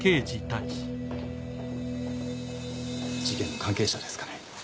事件の関係者ですかね？